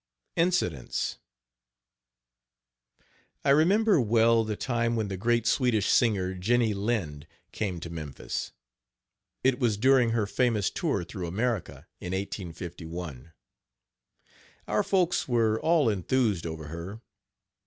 INCIDENTS I remember well the time when the great Swedish singer, Jenny Lind, came to Memphis. It was during her famous tour through America, in 1851. Our folks were all enthused over her.